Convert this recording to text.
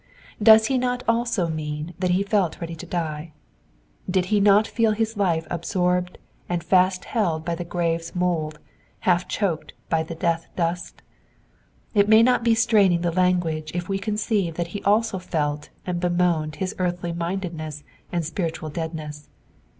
Does he not also mean that he felt ready to die ? Did he not feel his life absorbed and fast held by the grave's mould, half choked by the death dust ? It may not be straining the language if we conceive that he also felt and bemoaned his eaithly mindedness and spiritual deadness.